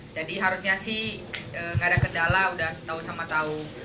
jadi harusnya sih gak ada kendala udah setau sama tau